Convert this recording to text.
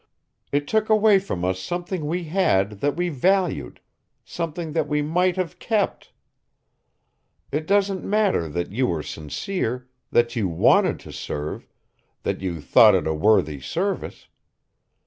It took away from us something we had that we valued, something that we might have kept. It doesn't matter that you were sincere, that you wanted to serve, that you thought it a worthy service.